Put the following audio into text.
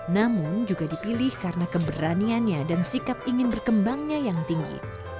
namun juga dipilih karena keberaniannya dan sikap ingin berkembangnya yang tinggi